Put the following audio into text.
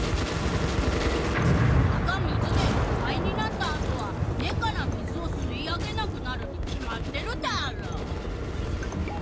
葉が水でいっぱいになったあとは根から水を吸い上げなくなるに決まってるダーロ！